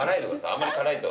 あんまり辛いと。